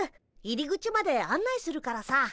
入り口まで案内するからさ。